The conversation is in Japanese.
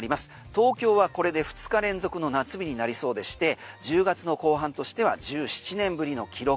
東京はこれで２日連続の夏日になりそうでして１０月の後半としては１７年ぶりの記録。